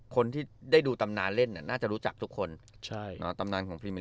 คนที่ได้ดูตำนานเล่นอะน่าจะรู้จักทุกคนใช่อ่าตำนานของ